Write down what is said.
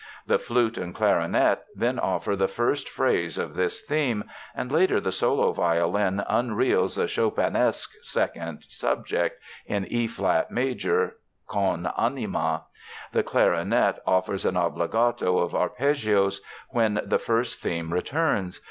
The flute and clarinet then offer the first phrase of this theme, and later the solo violin unreels a Chopinesque second subject, in E flat major, con anima. The clarinet offers an obbligato of arpeggios when the first theme returns.